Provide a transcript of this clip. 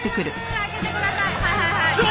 開けてください。